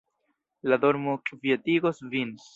La dormo kvietigos vin.